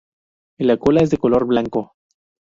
La cola es de color blanco.